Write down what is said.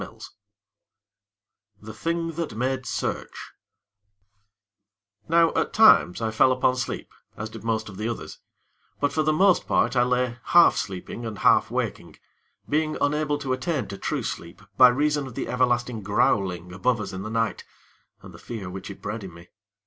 III The Thing That Made Search Now at times, I fell upon sleep, as did most of the others; but, for the most part, I lay half sleeping and half waking being unable to attain to true sleep by reason of the everlasting growling above us in the night, and the fear which it bred in me.